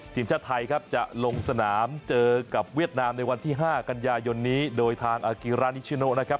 ทีมชาติไทยครับจะลงสนามเจอกับเวียดนามในวันที่ห้ากันยายนนี้โดยทางนะครับ